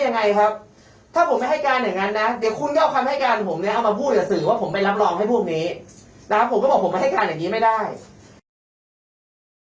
ผมก็บอกผมไม่ให้การอย่างนี้ไม่ได้